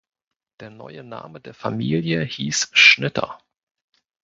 Der neue Name der Familie hieß Schnitter.